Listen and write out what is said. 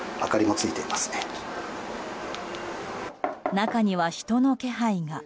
中には人の気配が。